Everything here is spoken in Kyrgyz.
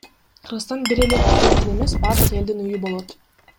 Кыргызстан бир эле президенттин эмес, бардык элдин үйү болот.